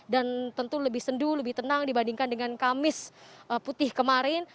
dan tentu lebih senduh lebih tenang dibandingkan dengan kamis putih kemarin